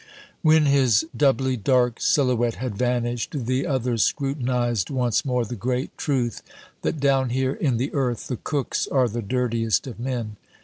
When his doubly dark silhouette had vanished, the others scrutinized once more the great truth that down here in the earth the cooks are the dirtiest of men.